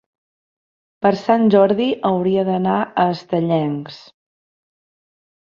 Per Sant Jordi hauria d'anar a Estellencs.